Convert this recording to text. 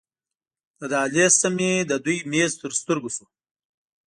له دهلېز نه مې د دوی میز تر سترګو شو.